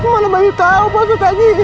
mana bayu tau pak ustadz tadi